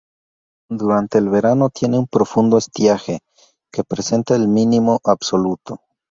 Durante el verano tiene un profundo estiaje, que presenta el mínimo absoluto.